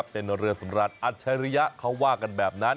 เป็นเรือสำราญอัจฉริยะเขาว่ากันแบบนั้น